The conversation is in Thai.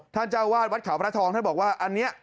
ท่านเจ้าอาวาสวัดขาวพระทองท่านบอกว่าอันนี้